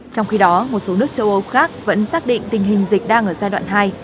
trong khi đó một số nước châu âu khác vẫn xác định tình hình dịch đang ở giai đoạn hai